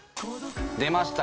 出ました